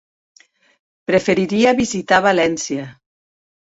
Preferiria visitar València.